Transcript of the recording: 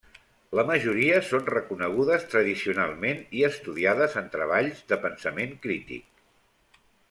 La majoria són reconegudes tradicionalment i estudiades en treballs de pensament crític.